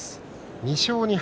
２勝２敗